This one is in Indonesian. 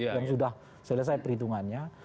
yang sudah selesai perhitungannya